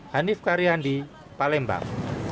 hanif karyandi palembang